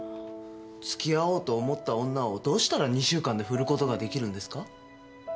付き合おうと思った女をどうしたら２週間で振ることができるんですか？